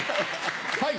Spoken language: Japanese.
はい！